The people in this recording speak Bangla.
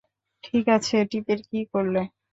ঠিক আছে, টিপের কী করলে?